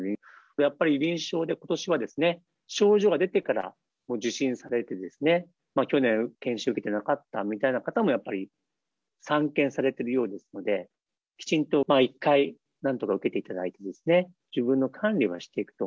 やっぱり臨床で、ことしは症状が出てから受診されて、去年健診受けてなかったみたいな方もやっぱり散見されてるようですので、きちんと一回なんとか受けていただいて、自分の管理はしていくと。